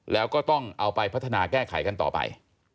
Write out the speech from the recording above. แล้วก็ต้องเอาไปพัฒนาแก้ไขกันต่อไป